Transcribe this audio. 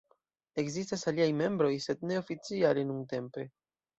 Ekzistas aliaj membroj, sed ne oficiale nuntempe.